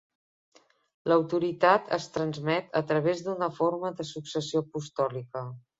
L'autoritat es transmet a través d'una forma de successió apostòlica.